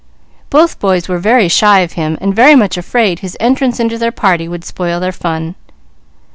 Both boys were very shy of him and very much afraid his entrance into their party would spoil their fun.